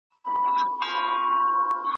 هغه غوښتل چي د موضوع په اړه یوه ویډیو جوړه کړي.